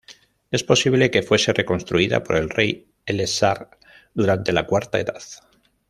Es posible que fuese reconstruida por el rey Elessar durante la Cuarta Edad.